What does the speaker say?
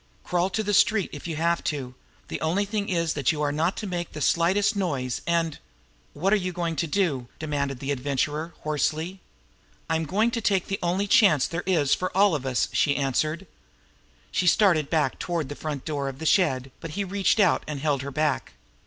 Crawl to the street, if you have to. The only thing is that you are not to make the slightest noise, and " "What are you going to do?" demanded the Adventurer hoarsely. "I'm going to take the only chance there is for all of us," she answered. She started toward the front door of the shed; but he reached out and held her back.